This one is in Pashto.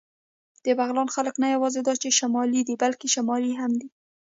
د بغلان خلک نه یواځې دا چې شمالي دي، بلکې شمالي هم دي.